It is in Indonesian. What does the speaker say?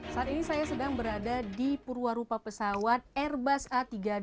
saat ini saya sedang berada di purwarupa pesawat airbus a tiga ratus dua puluh